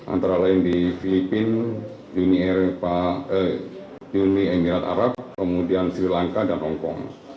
antara lain di filipina uni emirat arab kemudian sri lanka dan hongkong